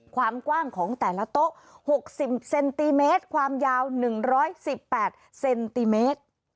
ความกว้างของแต่ละโต๊ะหกสิบเซนติเมตรความยาวหนึ่งร้อยสิบแปดเซนติเมตร